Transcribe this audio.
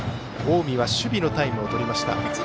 近江は守備のタイムをとりました。